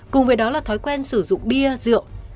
cùng với đó là thói quen sử dụng bia rượu